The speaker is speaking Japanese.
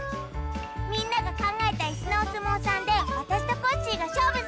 みんながかんがえたイスのおすもうさんであたしとコッシーがしょうぶするよ！